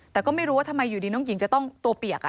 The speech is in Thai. แต่ก็ไม่รู้ว่าทำไมอยู่ดีน้องหญิงจะต้องตัวเปียก